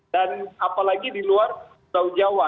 dan apalagi di luar jawa